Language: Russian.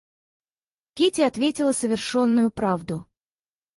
Кити ответила совершенную правду.